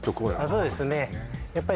そうですね